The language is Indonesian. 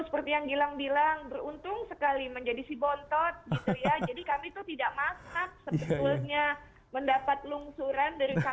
seperti yang bilang bilang beruntung sekali menjadi si bontot gitu ya